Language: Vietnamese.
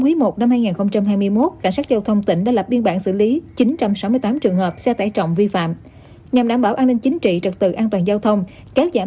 khi mà bệnh nhân giảm nguồn thu giảm